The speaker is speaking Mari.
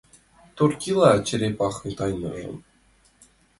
— Тортила черепахын тайныжым.